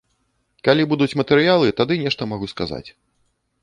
Калі будуць матэрыялы, тады нешта магу сказаць.